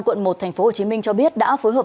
quận một tp hcm cho biết đã phối hợp